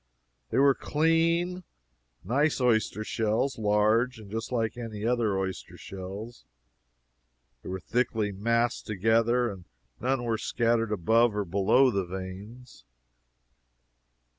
They were clean, nice oyster shells, large, and just like any other oyster shells. They were thickly massed together, and none were scattered above or below the veins.